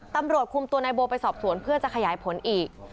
ตำรวจคุมตัวนายโบไปสอบสวนเพื่อจะขยายผลอีก